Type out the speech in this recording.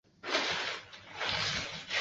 徐揖据城死守。